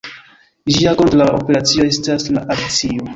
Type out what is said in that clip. Ĝia kontraŭa operacio estas la adicio.